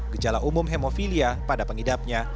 gejala umum hemofilia pada pengidapnya